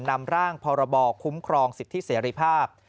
นำร่างพรบคุ้มครองสิทธิเสรีภาพ